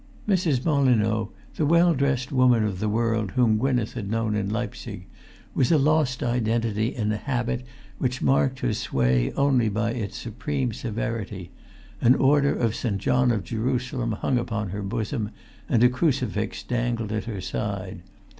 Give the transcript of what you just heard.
Mrs. Molyneux, the well dressed woman of the world whom Gwynneth had known in Leipzig, was a lost identity in a habit which marked her sway only by its supreme severity; an order of St. John of Jerusalem hung upon her bosom, and a crucifix dangled at her side.